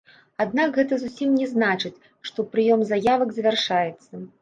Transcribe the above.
Аднак гэта зусім не значыць, што прыём заявак завяршаецца.